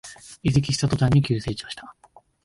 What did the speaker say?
移籍した途端に急成長した